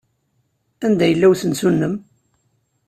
Anda yella usensu-nnem?